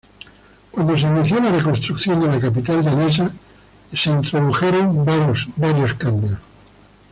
Cuando se inició la reconstrucción de la capital danesa, fueron introducidos varios cambios.